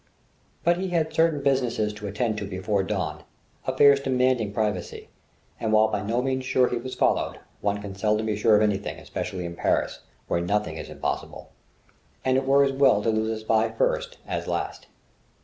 But he had certain businesses to attend to before dawn, affairs demanding privacy; and while by no means sure he was followed, one can seldom be sure of anything, especially in Paris, where nothing is impossible; and it were as well to lose a spy first as last.